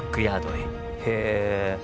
へえ。